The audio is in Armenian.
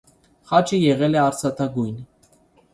Խաչը եղել է արծաթագույն։